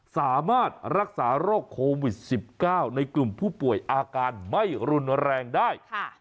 สามารถรักษาโรคโควิด๑๙ในกลุ่มผู้ป่วยอาการไม่รุนแรงได้